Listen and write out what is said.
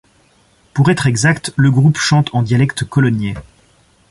Pour être exact, le groupe chante en dialecte colognais.